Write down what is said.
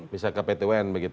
bisa ke pt un begitu